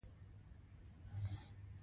د ننګرهار په پچیر اګام کې د تالک نښې شته.